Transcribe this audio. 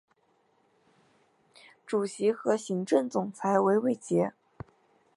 主席和行政总裁为韦杰。